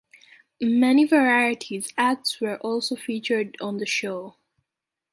Many variety acts were also featured on the show.